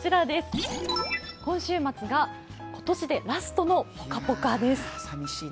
今週末が今年でラストのポカポカです。